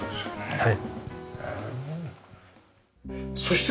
はい。